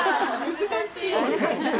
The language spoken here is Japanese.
難しい。